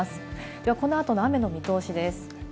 ではこの後の雨の見通しです。